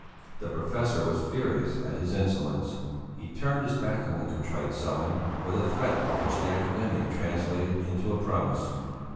The professor was furious at this insolence; he turned his back on the contrite Sellén with a threat which the academician translated into a promise.